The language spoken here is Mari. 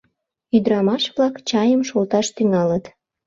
Ӱдырамаш-влак чайым шолташ тӱҥалыт.